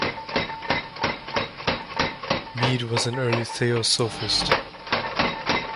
Mead was an early Theosophist.